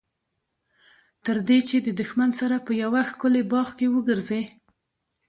تر دې چې د دښمن سره په یوه ښکلي باغ کې وګرځي.